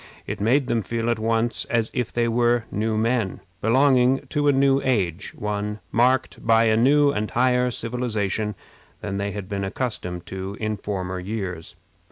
It made them feel at once as if they were new men, belonging to a new age one marked by a new and higher civilization than they had been accustomed to in former years.